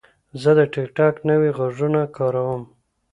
زه د ټک ټاک نوي غږونه کاروم.